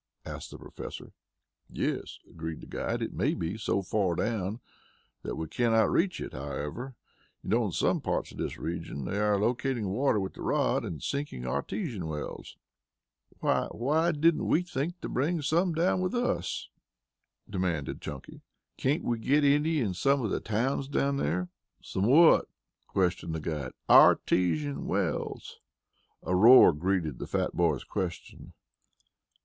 asked the Professor. "Yes," agreed the guide. "It may be so far down that we cannot reach it, however. You know in some parts of this region they are locating water with the rod and sinking artesian wells." "Why why didn't we think to bring some down with us?" demanded Chunky. "Can't we get any in some of the towns down here?" "Some what?" questioned the guide. "Artesian wells." A roar greeted the fat boy's question.